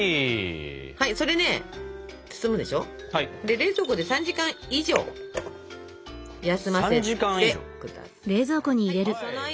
冷蔵庫で３時間以上休ませて下さい。